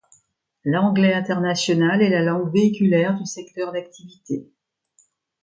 L'anglais international est la langue véhiculaire du secteur d'activité.